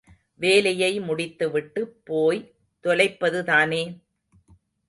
வேலையை முடித்துவிட்டு போய் தொலைப்பதுதானே?